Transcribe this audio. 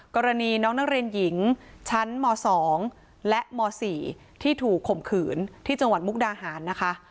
กรณีน้องนักเรียนหญิงชั้นม๒และม๔ที่ถูกข่มขืนที่จังหวัดมุกดาหารนะคะ